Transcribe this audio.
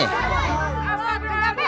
keburu kan kali